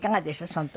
その時。